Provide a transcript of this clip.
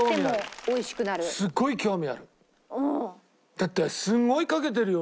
だってすごいかけてるよ